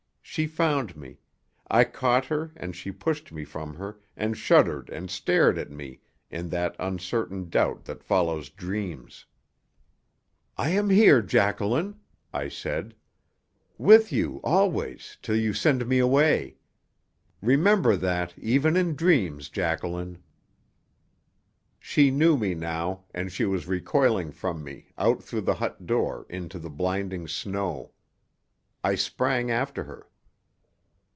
She found me; I caught her, and she pushed me from her and shuddered and stared at me in that uncertain doubt that follows dreams. "I am here, Jacqueline," I said. "With you always, till you send me away. Remember that even in dreams, Jacqueline." She knew me now, and she was recoiling from me, out through the hut door, into the blinding snow. I sprang after her.